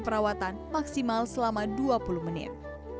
perawatan maksimal selama dua puluh menit